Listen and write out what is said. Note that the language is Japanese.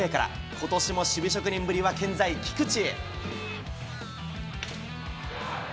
ことしも守備職人ぶりは健在、菊池。